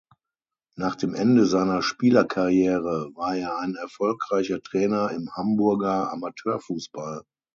Nach dem Ende seiner Spielerkarriere war er ein erfolgreicher Trainer im Hamburger Amateurfußball.